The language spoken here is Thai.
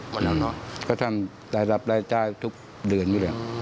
หมดแล้วหน่อยก็ทำแต่รับรายจ่ายทุกเดือนอยู่แล้วอืม